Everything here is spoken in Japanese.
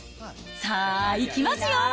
さあ、いきますよ。